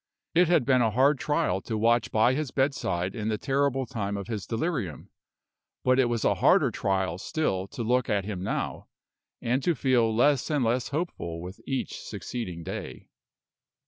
It had been a hard trial to watch by his bedside in the terrible time of his delirium; but it was a harder trial still to look at him now, and to feel less and less hopeful with each succeeding day.